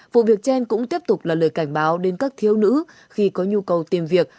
vụ việc trên cũng tiếp tục là lời cảnh báo đến các thiếu nữ khi có nhu cầu tìm việc